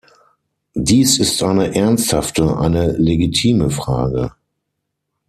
Dies ist eine ernsthafte, eine legitime Frage.